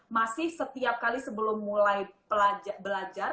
masih setiap kali sebelum mulai belajar belajar belajar